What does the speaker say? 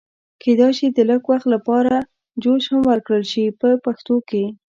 کېدای شي د لږ وخت لپاره جوش هم ورکړل شي په پښتو کې.